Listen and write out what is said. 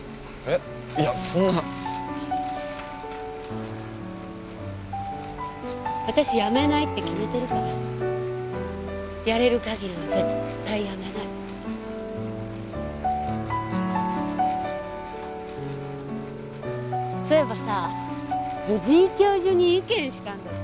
いやそんな私辞めないって決めてるからやれる限りは絶対辞めないそういえばさ藤井教授に意見したんだって？